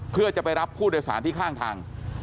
เพื่อจะไปรับผู้โดยสารที่ข้างทาง